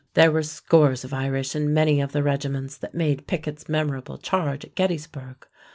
There were scores of Irish in many of the regiments that made Pickett's memorable charge at Gettysburg.